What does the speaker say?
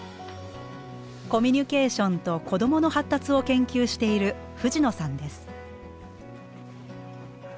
コミュニケーションと子どもの発達を研究している藤野さんです。